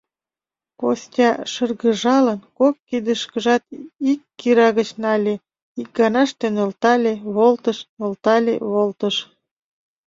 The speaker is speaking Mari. Костя, шыргыжалын, кок кидышкыжат ик кира гыч нале, икганаште нӧлтале — волтыш, нӧлтале — волтыш...